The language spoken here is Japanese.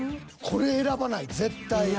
これ選ばない絶対。